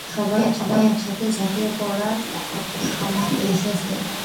সবাই একসাথে ঝাঁপিয়ে পড়ার সময় এসেছে।